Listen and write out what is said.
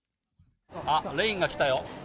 あっ、レインがきたよ。